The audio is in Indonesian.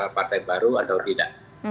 partai baru atau tidak